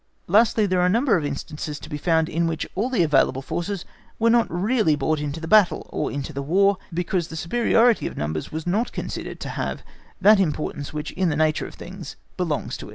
Lastly, there are a number of instances to be found, in which all the available forces were not really brought into the battle,(*) or into the War, because the superiority of numbers was not considered to have that importance which in the nature of things belongs to it.